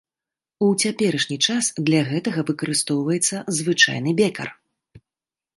У цяперашні час для гэтага выкарыстоўваецца звычайны бекар.